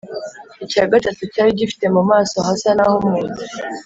icya gatatu cyari gifite mu maso hasa n’ah’umuntu,